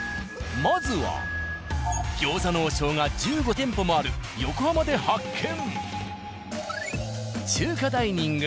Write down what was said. まずは「餃子の王将」が１５店舗もある横浜で発見！